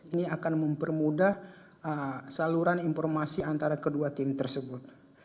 ini akan mempermudah saluran informasi antara kedua tim tersebut